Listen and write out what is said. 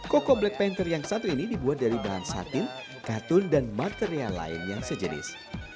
koko black panther yang satu ini dibuat dari bahan satin katun dan material lain yang sejenis